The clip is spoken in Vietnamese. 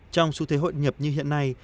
trong su thế hội nhập như hiện nay